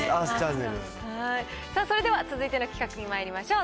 さあ、それでは続いての企画にまいりましょう。